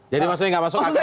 jadi maksudnya nggak masuk asn